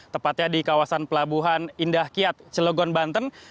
tepatnya di kawasan pelabuhan indah kiat cilogon banten